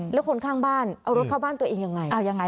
แล้วคนข้างบ้านเอารถเข้าบ้านตัวเองยังไง